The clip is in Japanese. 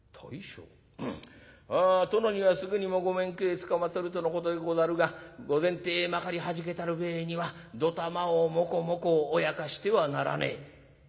殿にはすぐにもご面会つかまつるとのことでござるが御前体まかりはじけたる上にはどたまをもこもこおやかしてはならねえ」。